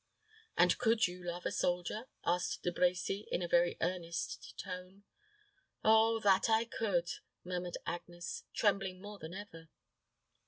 "And could you love a soldier?" asked De Brecy, in a very earnest tone. "Oh that I could." murmured Agnes, trembling more than ever.